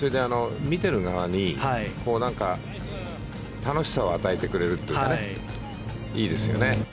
見てる側に楽しさを与えてくれるというかいいですよね。